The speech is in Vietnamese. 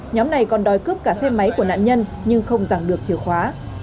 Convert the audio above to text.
nhóm này còn đòi cướp cả xe máy của nạn nhân nhưng không giảng được chìa khóa